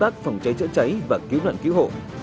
cảnh sát phòng cháy chữa cháy và cứu nạn cứu hộ